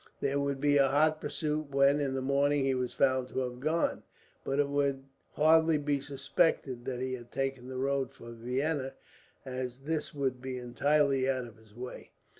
There would be a hot pursuit when, in the morning, he was found to have gone; but it would hardly be suspected that he had taken the road for Vienna, as this would be entirely out of his way.